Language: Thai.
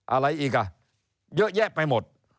อะไรอีกอ่ะเยอะแยะไปหมด